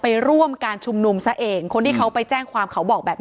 ไปร่วมการชุมนุมซะเองคนที่เขาไปแจ้งความเขาบอกแบบนั้น